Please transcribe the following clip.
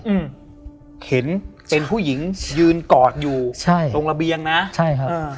อืมเห็นเป็นผู้หญิงยืนกอดอยู่ใช่ตรงระเบียงนะใช่ครับอ่า